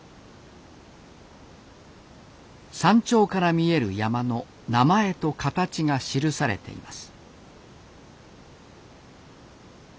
山頂から見える山の名前と形が記されています。